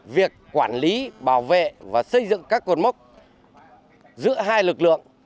việc quản lý bảo vệ và xây dựng các cột mốc giữa hai lực lượng